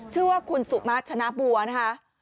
ชื่อว่าคุณสุมาชนะบัวนะคะ